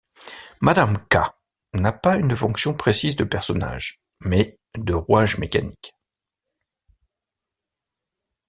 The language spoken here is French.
Madame Ka n'a pas une fonction précise de personnage, mais de rouage mécanique.